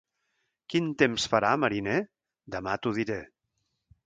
Quin temps farà, mariner? —Demà t'ho diré.